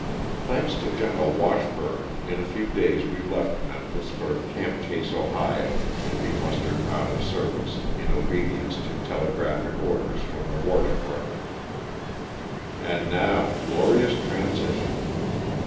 Thanks to Gen. Washburn in a few days we left Memphis for '^ Camp Chase," Ohio, to be mustered out of service in obedience to telegraphic orders from the War Department. And now, glorious transition.